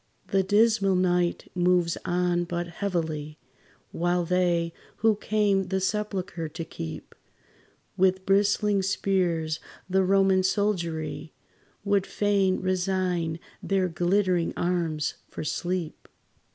The dismal night moves on but heavily, While they, who came the sepulchre to keep With bristling spears, the Roman soldiery, Would fain resign their glittering arms for sleep.